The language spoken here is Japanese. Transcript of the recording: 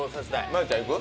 真悠ちゃんいく？